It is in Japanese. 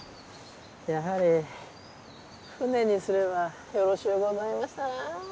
やはり船にすればよろしゅうございましたな。